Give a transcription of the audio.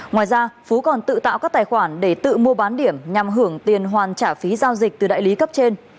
ngoài ra phú còn tự tạo các tài khoản để tự mua bán điểm nhằm hưởng tiền hoàn trả phí giao dịch từ đại lý cấp trên